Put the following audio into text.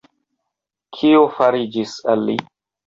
Kio fariĝis al li?